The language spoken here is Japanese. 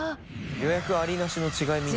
予約ありなしの違い。